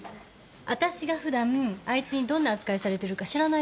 私が普段あいつにどんな扱いされてるか知らないでしょ。